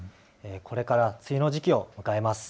これから梅雨の時期を迎えます。